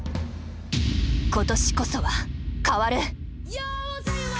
今年こそは変わる！